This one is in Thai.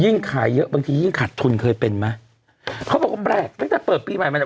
ขายเยอะบางทียิ่งขาดทุนเคยเป็นไหมเขาบอกว่าแปลกตั้งแต่เปิดปีใหม่มาเนี้ย